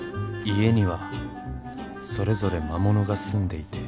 家にはそれぞれ魔物が住んでいて。